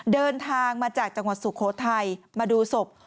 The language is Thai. เดินทางมาจากจังหวัดสุโขทัยมาดูศพ